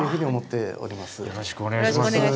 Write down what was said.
よろしくお願いします。